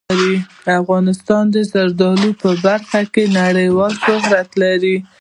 افغانستان د زردالو په برخه کې نړیوال شهرت لري.